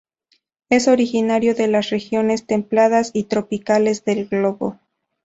Es originario de las regiones templadas y tropicales del globo.